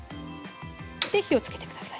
気をつけてください。